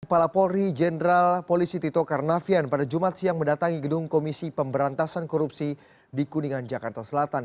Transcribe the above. kepala polri jenderal polisi tito karnavian pada jumat siang mendatangi gedung komisi pemberantasan korupsi di kuningan jakarta selatan